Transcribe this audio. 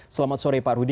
selamat sore pak rudy